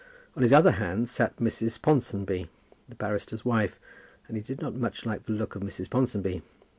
On his other hand sat Mrs. Ponsonby, the barrister's wife, and he did not much like the look of Mrs. Ponsonby.